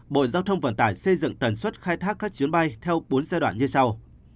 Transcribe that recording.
bộ giao thông vận tải xây dựng tần suất khai thác các chuyến bay theo bốn giai đoạn như sau